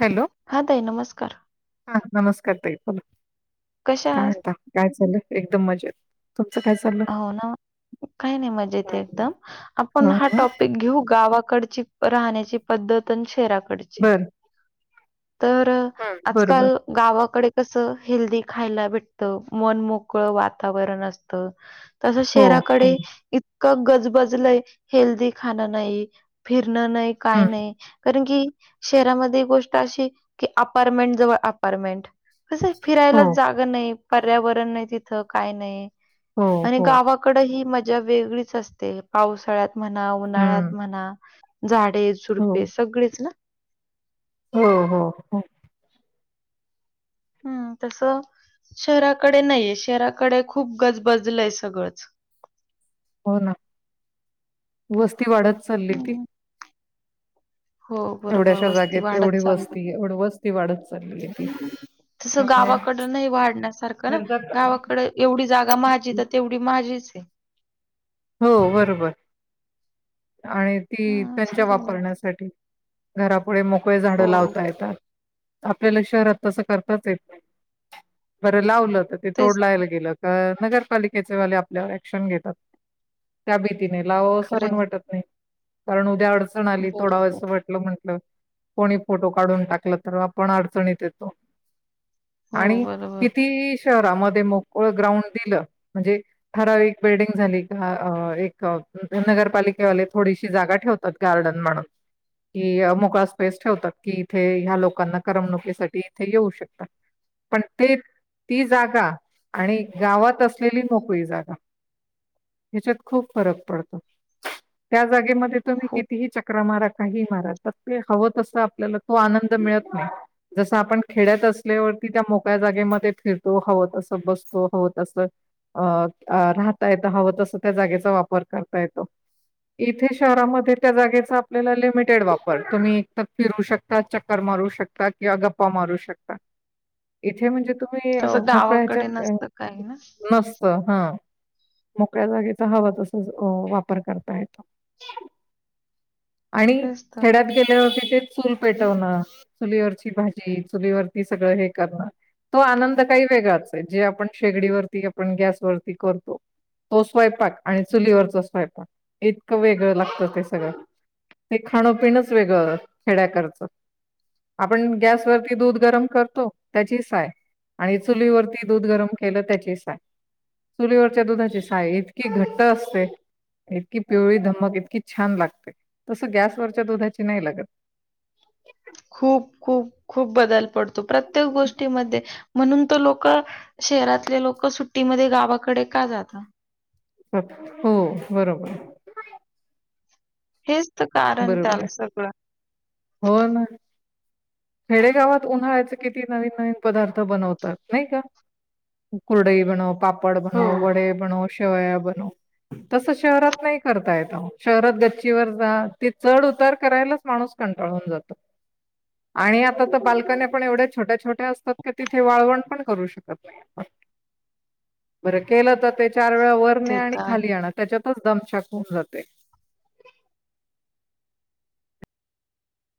Hello हा ताई नमस्कार. हा नमस्कार ताई बोला कशा काय आहात? म्हणता. आता काय चालंय एकदम मजेत. तुमचं काय चाललं हो ना, काही नाही मजेत एकदम आपण हा टॉपिक घेऊ गावा कडची राहण्याची पद्धत न शहराकडची बर तर आजकाल बरोबर गावाकडे कसं हेल्दी खायला भेटतं मन मोकळ, वातावरण असतं. तसं हो हो शहराकडे इतकं गजबजलंय, हेल्दी खाणं नाही फिरत नाही काय हं, नाही कारण की शहरामध्ये एक गोष्ट अशी की अपारमेंट जवळ अपारमेंट कस हो फिरायला जागा नाही, पर्यावरण नाही, तिथं काय नाही. हो आणि हो गावाकडे ही मजा वेगळीच असते पावसाळ्यात म्हणा हं, उन्हाळ्यात म्हणा झाडे, हो झुडपे, सगळेच ना, हो हो हो. हम्म तस. शहराकडे, नाहीये शहराकडे, खूप गजबजलंय सगळंच. हो ना, वस्ती वाढत चालली ती. हम्म. हो बरोबर एवढ्याशा वस्ती जागेत वाढत एवढी, चालली. वस्ती एवढ, वस्ती वाढत चालली आहे ती तसं त्यामुळे गावाकड नाही वाढण्यासारखं ना, गरजा गावाकड एवढी जागा माझीे तेवढी माझीच आहे. हो बरोबर आणि ती हा असं त्यांच्या झालं. वापरण्यासाठी घरापुढे मोकळे झाडं हो लावता येतात. आपल्याला शहरात तसं करताच येत, नाही बरं लावलं. ते तेच तोडलायला गेलंत नगरपालिकेच, वाले आपल अँक्शण घेतात. त्या तिने लाव असं पण खरंय वाटत नाही. कारण उद्या अडचण आली थोड व बरोबर. असं वाटलं म्हंटलं कोणी फोटो काढून टाकलं तर आपण अडचणीत येतो. हो आणि बरोबर किती स्व त्या मधे मग ओ ग्राउंड दिलं म्हणजे ठराविक बिल्डंग झाली. हाआ एक नगरपालिकेवाले थोडीशी जागा ठेवतात. गार्डन म्हणून कि मोकळा स्पेस ठेवतात. कि इथे ह्या लोकांना करमणुकीसाठी इथे येऊ शकतात. पण ते ती जागा आणि गावात असलेली मोकळी जागा ह्याच्यात खूप फरक पडतो त्या जागे म तुम्ही खूप कितीही चक्रा मारा काही मारा [unintelligible] प्रत ते हवं तसं आपल्याला तो आनंद मिळत नाही. जस आपण खेड्यात असल्यावरती त्या मोक्याळ्या जागे मध्ये फिरतो हव, तस बसतो हव, हत तसं अ राहताय हवं तस त्या जागेचा वापर करता येतो. इथे शहरामध्ये त्या जागेचा, आपल्याला लिमिटेड वापर तुम्ही एक फिरू शकता चक्कर मारु शकता. किंवा गप्पा मारू शकता. इथे म्हणजे तुम्ही तसं मोकळ्या गावाकडे ह्याच्यात नसतं काही ना नसत हा. मोकळ्या जागेचा हवा तसच वापर करता येतो. आणि तेच तर. खेड्यात गेल्या वरती ते चूल पेटवणं चुलीवरची, भाजी चुलीवरती, सगळं हे करणं तो आनंद काही वेगळाच हे. जे आपण शेगडीवररती आपण गॅसवररती करतो. तो स्वयंपाक, आणि चुलीवरच स्वयंपाक, इतकं वेगळं लागतं ते सगळं ते खाणंपिणच वेगळं खेड्याकरचं आपण गॅसवररती दूध गरम करतो. त्याची साय आणि चुलीवरती, दूध गरम केलं त्याची साय चुलीवरच्या, दुधाची छायतकी घट्ट असते. इतकी पिवळी धमक इतकी छान लागते. तसं गॅसवररच्या दुधाची नाही लागत. खूप खूप खूप बदल पडतो प्रत्येक गोष्टीमध्ये म्हणून त लोक शहरातले लोक सुट्टीमध्ये गावाकडे का जात? [unintelligible] हो बरोबर [unintelligible] हेच तर कारण बरोबर त्याला आहे सगळं हो ना खेडेगावात उन्हाळ्याच किती नवीन नवीन पदार्थ बनवतात नाही का? कुरडई बनव, पापड हो, बनव, वडे बनव, शेवाया बनव. तस शहरात नाही करता येत शहरात गच्चीवर जा ते चढ उतार करायलाच माणूस कट कंटाळून जातो. [inaudible] आणि आता तर बालकणया पण एवढ्या छोट्या, छोट्या असतात क तिथे वाळवण पण करू शकत नाही. [inaudible] बर केलं तर ते चार वेळा वर ने ते आणि तर खाली आहे. आण त्याच्यातच दम थकून जातय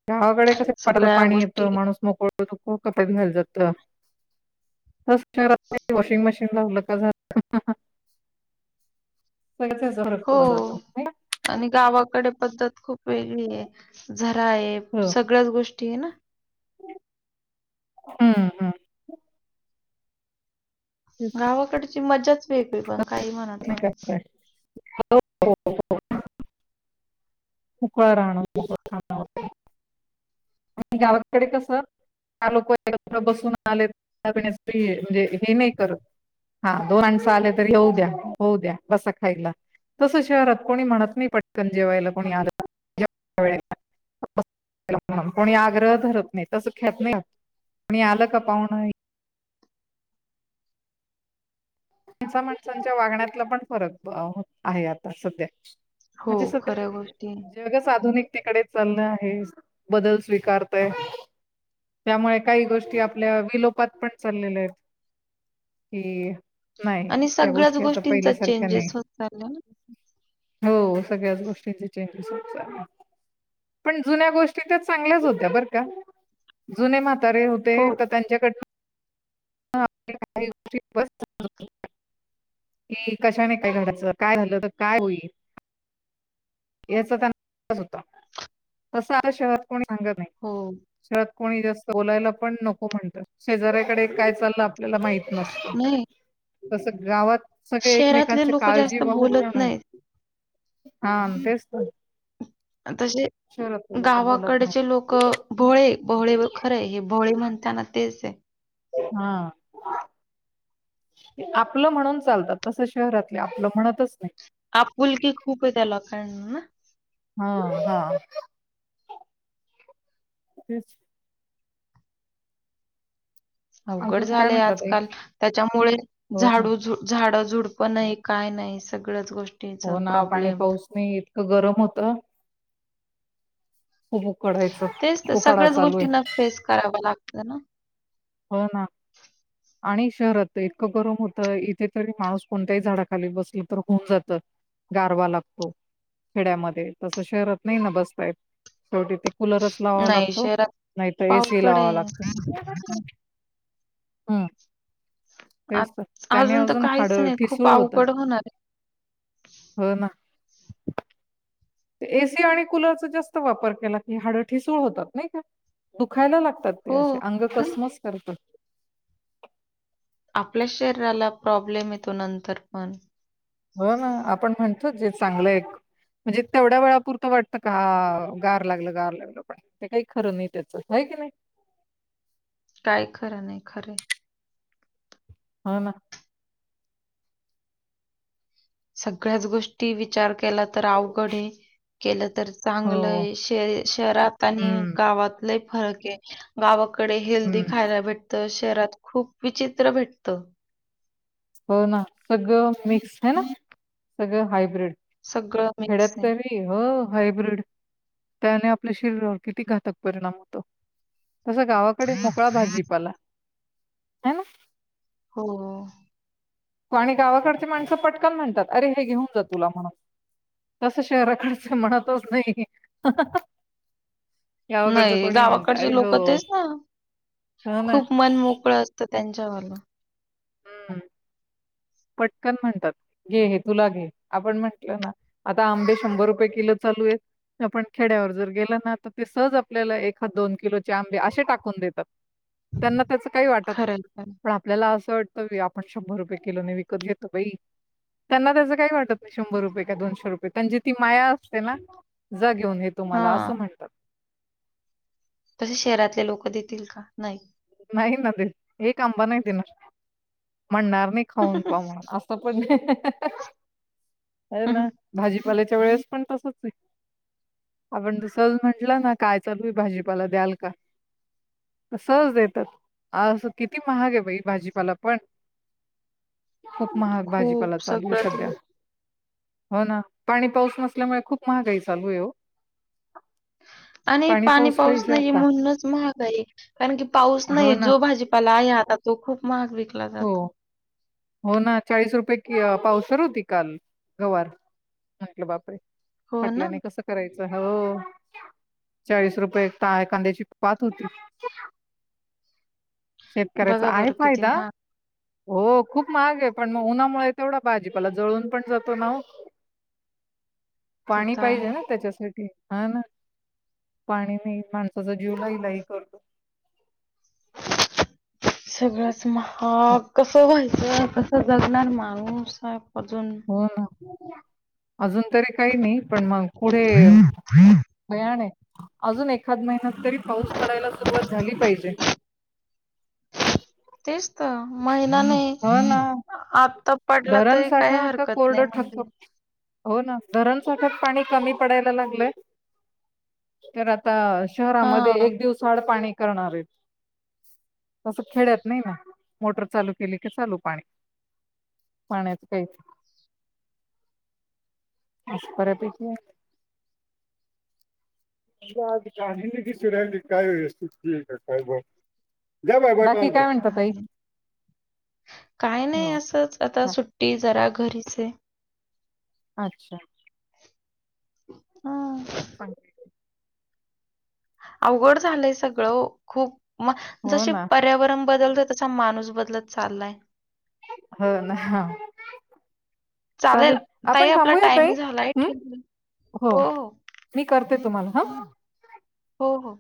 गावाकडे कस पाटाला सगळ्या पाणी गोष्टी येतं माणूस मोकळतो कपत घाल जातं [unintelligible] वॉशिंग मशीन लावलं झाल [unintelligible] [unintelligible] फरक हो. पडत जातो आणि गावाकडे पद्धत खूप वेगळी आहे झरा आहे सगळ्याच गोष्टी आहे ना हम्म हम्म [inaudible] गावाकडची मजाच वेगळी [inaudible] पण काही म्हण तुम्ही हो [inaudible] [inaudible] हो हो [unintelligible] [inaudible] आणि [inaudible] गावातकडे कसं चार लोक एकत्र बसून आलेण्या म्हणजे हे नाही करत. हा दोन माणस आले तरी होऊ द्या, होऊ द्या बसा खाईला. तस शहरात कोणी म्हणत नाही पटकन जेवायला कोणी आलं? [inaudible] [unintelligible] कोणी आग्रह धरत नाही तस ख्यात नाही कोणी आलं का पाहुणं माणसा [unintelligible] माणसांच्या वागण्यातला पण फरक आहे आता सध्या हो, म्हणजे खऱ्या सगळे गोष्टी आहे. जगच आधुनिक तिकडे चालय आहे बदल स्वीकारतय. त्यामुळे काही गोष्टी आपल्या विलोपात पण चाललेल्या आहेत. कि नाही आणि त्या सगळ्याच गोष्टी आता गोष्टींचा पहिल्यासारख्या नाही चेंजेस होत चालला ना. हो सगळ्याच गोष्टींचे चेंजेस [unintelligible] होत चालले पण जुन्या गोष्टी त्या चांगल्याच होत्या बर का? जुने म होते हो, तर त्यांच्याकडन [unintelligible] [unintelligible] [inaudible] कशाने? काय घराचं? काय झालं तर काय होईल. याचा त्यांना [inaudible] होता तस शहरात [inaudible] कोणी सांगत नाही हो. शह कोणी जास्त बोलायला पण नको म्हणत [unintelligible] शेजऱ्याकडे काय चाललं आपल्याला माहित नसत नाही, [unintelligible] तस गावात सगळे शहरातले एकमेकांचे लोकं काळजी जास्त बहू पण बोलत आहे नाहीत. हा [unintelligible] तेच तर तसे शहरातले लोक बोलत गावाकडचे नाही लोक भोळे भोळे खरं आहे हे भोळे म्हणताना तेच आहे [inaudible] हा [unintelligible] आपलं म्हणून चालतात तस शहरातले आपलं म्हणतच नाही. आपुलकी खूप आहे त्या लोकांना ना. हो [unintelligible] हो [inaudible] अवघड अजून काय झालेय म्हणतात ताई आजकाल त्याच्यामुळे हो ना झाडू झाड झुड पण नाही काय नाही सगळच हो ना पाणी पाऊस नाही इतकं गरम होत. तेच तर उकाडा सगळ्याच चालू आहे गोष्टींना फेस कराव लागत ना हो ना आणि शहरात इतकं गरम होतं इथे तरी माणूस कोणत्याही झाडाखाली बसला तर होऊन जात. गारवा लागतो खेड्यामध्ये तस शहरात नाही न बसताय शेवटी ते कुलरच लावावा नाही लागतो, शहरात नाहीतर खूप ए. सी. अवघड लावा आहे. लागतो. हम. आ तेच त्याने तर अजून हाड काहीच नाही खूप ठिसूळ होत अवघड होणार आहे. हो ना. ए. सी. आणि कुलरचा जास्त वापर केला की हाड ठसूळ होतात नाही का दुखायला लागत. तेे हो अंग आणि कसमच करतात. आपल्या शरीराला प्रॉब्लेम येतो नंतर पण हो ना आपण म्हणतो जे चांगलं एक म्हणजे तेवढ्या वेळापुरतं वाटतं का गार लागलं गार लागलं पण ते काही खरं नाही त्याच. क नाही. काय खरं, नाही खरं. हो ना. सगळ्याच गोष्टी विचार केला तर अवघडे केलं. तर हो चांगलं श शहरात आणि हम्म गावातलंही फरक आहे गाव कडे हेल्दी हम्म खायला भेटत, शहरात खूप विचित्र भेटत. हो ना सगळं मिक्स ह ना सगळं हायब्रीड. सगळं मिक्स खेड्यात आहे तरी हो हायब्रीड त्याने आपल्या शरीरावर किती घातक परिणाम होतो. तस गावाकडे मोकळा भाजीपाला आहे ना. हो. आणि गावाकडची माणसं पटकन म्हणतात अरे हे घेऊन जा तुला म्हणून.. तसं शहराकडच म्हणतच नाही. गावाकडचं नाही कोणी म्हणतं गावाकडचे अरे हो लोक तेच ना. हो ना खूप मन मोकळ असतं त्यांच्या वालं.. हम्म. [unintelligible] पटकन म्हणतात घे हे तुला घे आपण म्हंटलं ना आता आंबे शंभर रुपये किलो चालू आहेत. आपण खेड्यावर जर गेल ना तर ते सहज आपल्याला एख हा दोन किलोचे आंबे असे टाकून देतात. त्यांना त्याच काही वाटत खरं नाही आहे, खरं आहे. पण आपल्याला असं वाट आपण शंभर रुपये किलोने विकत घेतो बाई. त्यांना त्याचं काही वाटत नाही शंभर रुपये का दोनशे रुपये पणजी ती माया असते ना. जा घेऊन हे तुम्हाला हां, असं म्हणतात. तसे शहरातले लोक देतील का नाही. नाही न ते एक आंबा नाही देणार म्हणणार नाही खाऊन पा म्हणून असं पण ना भाजी. पाल्याच्या वेळेस पण तसच आहे. आपण तस म्हंटलं ना कायच तु भाजीपाला द्याल का. सहज देत. तर असं किती महाग आहे बाई भाजीपाला पण.. खूप महाग भाजीपाला खूप चालू सगळंच सध्या. हो ना पाणी पाऊस नसल्यामुळे खूप महागाई चालू आहे हो. आणि पाणी पाऊस नाही म्हणूनच महाग आहे कारण की पाऊस- हो नाही ना जो भाजीपाला आहे आता तो खूप महाग विकला हो जातो. हो ना चाळीस रुपये कि पावसर होती काल गवार म्हटलं बाप रे हो ना पटल्याने कसं करायचं. हो चाळीस रुपये कांद्याची पात होती. [unintelligible] शेतकऱ्याचा बघा आहे बरं किती फायदा. महाग हो खूप महाग आहे पण मग उन्हामुळे तेवढा भाजीपाला जळून पण जातो ना ओ. [unintelligible] ते पाणी तर पाहिजे आहे. ना त्याच्यासाठी. हा ना पाणी नाही माणसाचा जीव लाहीलाही करतो. सगळंच महाग कस व्हायचं कस जगणार माणूस. अजून हो ना. अजून तरी काही नाही, पण मग पुढे भयाण हे. अजून एखाद महिन्यात.. तरी पाऊस पडायला सुरुवात झाली पाहिजे. महिनाने हो ना आता पडला धरण तरी काही साठाता हरकत नाही कोरडं म्हणजे ठकत हो ना धरण साठा पाणी कमी पडायला लागलंय. तर आता शहरामध्ये हा एक दिवस आड पाणी करणार आहे. तस खेड्यात नाही ना मोटर चालू केली की चालू पाणी. पाण्याचं काही नाही. बऱ्यापैकी आहे. काहीनी कस राहिली काय व्यवस्थ का काय बघ जा बा [inaudible] काय म्हणतात तई? काय नाही असंच आता काय सुट्टी जरा घरीच हे. अच्छा! हा. सांग अवघड झालंय सगळं ओ खूप म हो जसे ना पर्यावरण बदल तसा माणूस बदलत चाललाय. हो ना ह. चालेल, ताई आपण आपला थांबूया टाईम ताई झालाय हं ठेवू. हो मी कर ते तुम्हाला हं. हो हो.